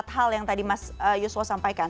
empat hal yang tadi mas yusuf sampaikan